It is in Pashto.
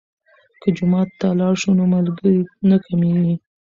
که جومات ته لاړ شو نو ملګري نه کمیږي.